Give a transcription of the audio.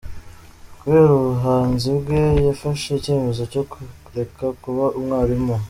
Kubera ubuhanzi bwe, yafashe icyemezo cyo kureka kuba umwarimu.